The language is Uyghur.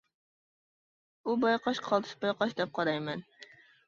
بۇ بايقاش قالتىس بايقاش دەپ قارايمەن.